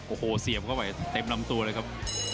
โอ้โหเสียบเข้าไปเต็มลำตัวเลยครับ